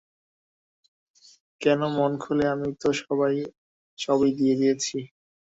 কেন, মন খুলে আমি তো সবই দিয়ে দিয়েছি।